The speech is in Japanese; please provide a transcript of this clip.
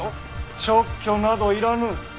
勅許などいらぬ。